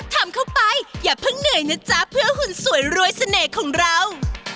ทำเข้าไปอย่าเพิ่งเหนื่อยนะจ๊ะเพื่อหุ่นสวยรวยเสน่ห์ของเรา